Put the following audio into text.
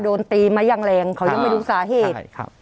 โดนตีมายังแรงเขายังไม่รู้สาเหตุ